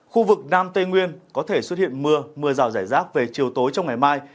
khu vực nam tây nguyên có thể xuất hiện mưa mưa rào rải rác về chiều tối trong ngày mai